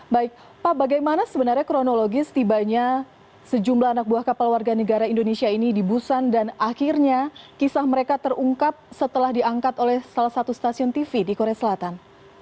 baik pak bagaimana sebenarnya kronologis tibanya sejumlah anak buah kapal warga negara indonesia ini di busan dan akhirnya kisah mereka terungkap setelah diangkat oleh salah satu stasiun tv di korea selatan